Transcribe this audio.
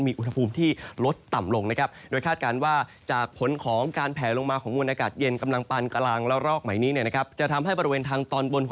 มีอุณหภูมิที่ลดต่ำลงนะครับ